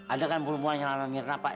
ada kan perempuan yang lama mirna pak